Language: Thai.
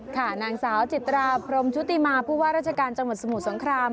นางสาวจิตราพรมชุติมาผู้ว่าราชการจังหวัดสมุทรสงคราม